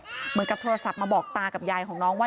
เหมือนกับโทรศัพท์มาบอกตากับยายของน้องว่า